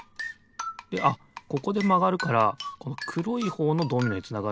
であっここでまがるからこのくろいほうのドミノへつながるんだ。